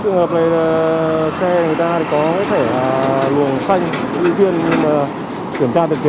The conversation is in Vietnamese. trường hợp này xe có thể luồng xanh đi viên nhưng kiểm tra không